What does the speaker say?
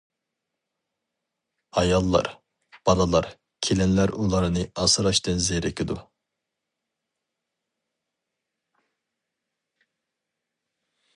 ئاياللار، بالىلار، كېلىنلەر ئۇلارنى ئاسراشتىن زېرىكىدۇ.